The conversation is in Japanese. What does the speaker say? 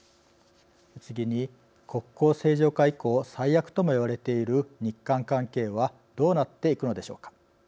次に国交正常化以降最悪ともいわれている日韓関係はどうなっていくのでしょうか。